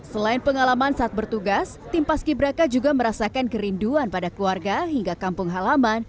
selain pengalaman saat bertugas tim paski braka juga merasakan kerinduan pada keluarga hingga kampung halaman